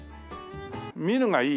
「見るがいい」